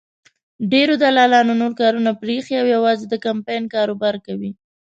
ډېرو دلالانو نور کارونه پرېښي او یوازې د کمپاین کاروبار کوي.